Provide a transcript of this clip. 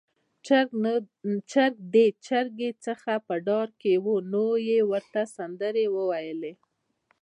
چرګ د چرګې څخه په ډار کې و، نو يې ورته سندرې وويلې